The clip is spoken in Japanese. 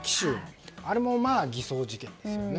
あれも偽装事件ですよね。